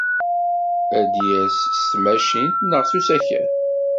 Ad d-yas s tmacint neɣ s usakal?